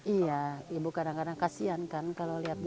iya ibu kadang kadang kasihan kan kalau lihat dia